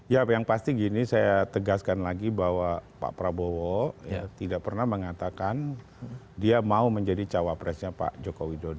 ya yang pasti gini saya tegaskan lagi bahwa pak prabowo tidak pernah mengatakan dia mau menjadi cawapresnya pak joko widodo